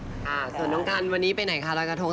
ส่วนทุกคนวันนี้ไปไหนค่ะรอยกระทง